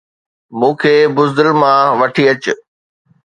مون کي بزدل مان وٺي اچ